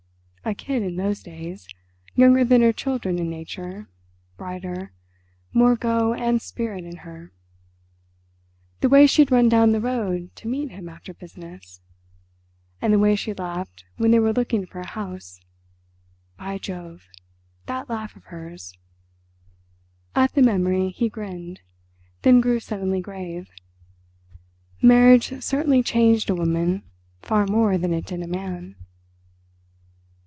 A kid in those days, younger than her children in nature, brighter, more "go" and "spirit" in her. The way she'd run down the road to meet him after business! And the way she laughed when they were looking for a house. By Jove! that laugh of hers! At the memory he grinned, then grew suddenly grave. Marriage certainly changed a woman far more than it did a man.